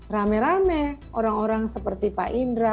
rame rame orang orang seperti pak indra